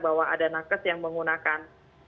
bahwa ada nakes yang menggunakan